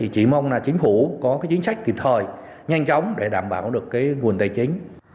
chỉ mong là chính phủ có chính sách kịp thời nhanh chóng để đảm bảo được nguồn tài chính